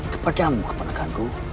kepada mu kepala kanggu